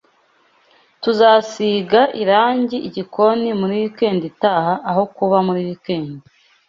Tuzasiga irangi igikoni muri wikendi itaha aho kuba muri wikendi